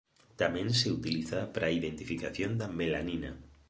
Tamén se utiliza para a identificación da melanina.